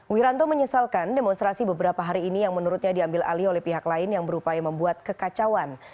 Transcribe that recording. wiranto menyesalkan demonstrasi beberapa hari ini yang menurutnya diambil alih oleh pihak lain yang berupaya membuat kekacauan